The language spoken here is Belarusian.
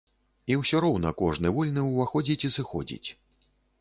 І ўсё роўна кожны вольны ўваходзіць і сыходзіць.